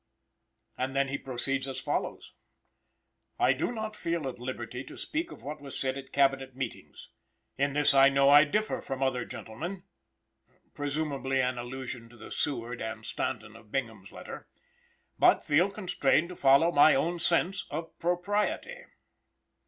And then he proceeds as follows: "I do not feel at liberty to speak of what was said at Cabinet meetings. In this I know I differ from other gentlemen" (presumably an allusion to the Seward and Stanton of Bingham's letter), "but feel constrained to follow my own sense of propriety."